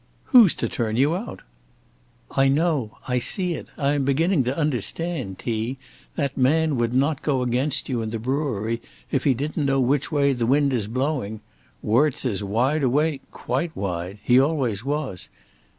"Who's to turn you out?" "I know. I see it. I am beginning to understand. T., that man would not go against you and the brewery if he didn't know which way the wind is blowing. Worts is wide awake, quite wide; he always was.